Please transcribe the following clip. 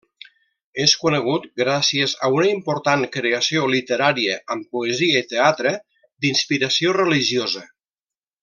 És conegut gràcies a una important creació literària amb poesia i teatre d'inspiració religiosa.